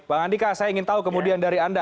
bang andika saya ingin tahu kemudian dari anda